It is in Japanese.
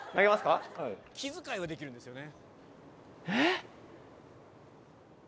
気遣いはできるんですよね。